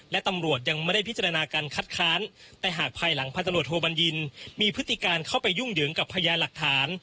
และตำรวจยังไม่ได้พิจารณาการคัดค้านแต่หากภายหลังพันตำรวจโทบัญญินมีพฤติการเข้าไปยุ่งเหยิงกับพยานหลักฐาน